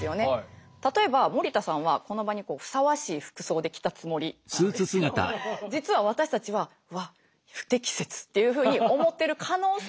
例えば森田さんはこの場にふさわしい服装で来たつもりなんですけど実は私たちは「わっ不適切」っていうふうに思ってる可能性もあるということです。